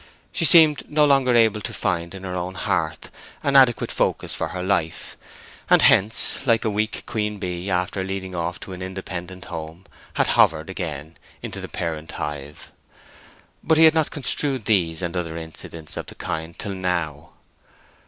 She seemed no longer able to find in her own hearth an adequate focus for her life, and hence, like a weak queen bee after leading off to an independent home, had hovered again into the parent hive. But he had not construed these and other incidents of the kind till now.